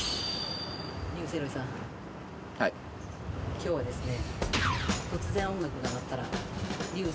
今日はですね。